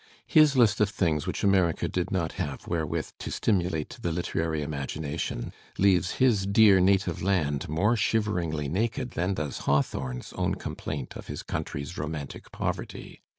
His list of things which America did not have where \. with to stimulate the literary imagination leaves his 'Mear :' C native land" more shiveringly naked than does Hawthorne's own complaint of his country's romantic poverty.